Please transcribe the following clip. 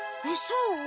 えっそう？